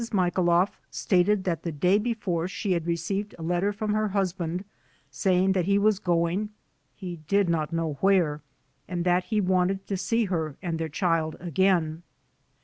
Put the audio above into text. Michailoff stated that the day before she had received a letter from her husband saying that he was going, he did not know where, and that he wanted to see her and their child again.